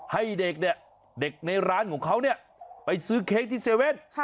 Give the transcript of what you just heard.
ให้เด็กเนี่ยเด็กในร้านของเขาเนี่ยไปซื้อเค้กที่๗๑๑